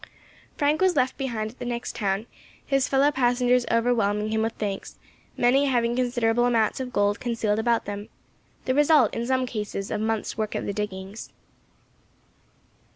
Frank was left behind at the next town, his fellow passengers overwhelming him with thanks, many having considerable amounts of gold concealed about them, the result, in some cases, of months' work at the diggings.